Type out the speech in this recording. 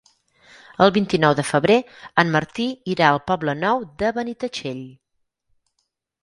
El vint-i-nou de febrer en Martí irà al Poble Nou de Benitatxell.